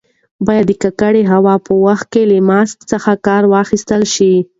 باید د ککړې هوا په وخت کې له ماسک څخه کار واخیستل شي.